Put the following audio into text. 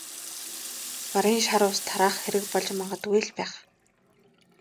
Гарын шар ус тараах хэрэг болж магадгүй л байх.